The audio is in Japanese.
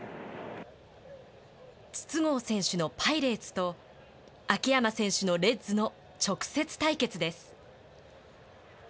筒香選手のパイレーツと秋山選手のレッズの直接対決です。